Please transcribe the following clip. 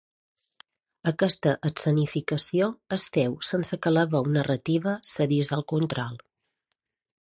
Aquesta escenificació es feu sense que la veu narrativa cedís el control.